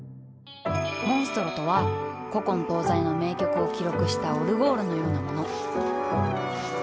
モンストロとは古今東西の名曲を記録したオルゴールのようなもの。